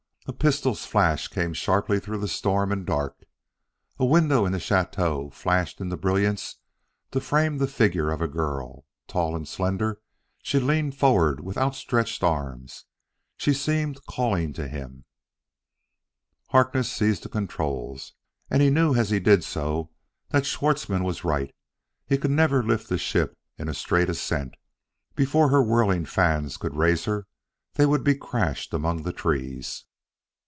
A pistol's flash came sharply through the storm and dark. A window in the chateau flashed into brilliance to frame the figure of a girl. Tall and slender, she leaned forward with outstretched arms. She seemed calling to him. Harkness seized the controls, and knew as he did so that Schwartzmann was right: he could never lift the ship in straight ascent. Before her whirling fans could raise her they would be crashed among the trees.